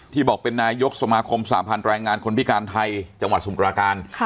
บอกเป็นนายกสมาคมสาพันธ์แรงงานคนพิการไทยจังหวัดสมุทราการ